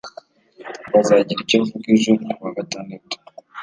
ngo azagira icyo avuga ejo kuwa Gatandatu